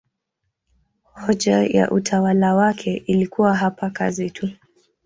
Hoja ya utawala wake ilikuwa hapa kazi tu